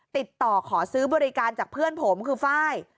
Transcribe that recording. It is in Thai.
ติดต่อขอซื้อบริการจากเพื่อนผมคือไฟล์